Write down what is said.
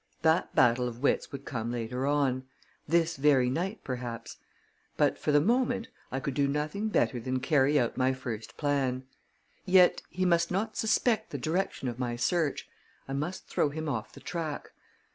That battle of wits would come later on this very night, perhaps but for the moment, I could do nothing better than carry out my first plan. Yet, he must not suspect the direction of my search I must throw him off the track.